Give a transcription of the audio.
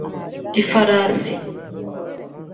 Ifarasi